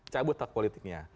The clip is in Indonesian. cabut tak politiknya